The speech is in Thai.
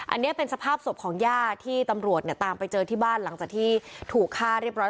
อันนี้เป็นสภาพศพของย่าที่ตำรวจเนี่ยตามไปเจอที่บ้านหลังจากที่ถูกฆ่าเรียบร้อย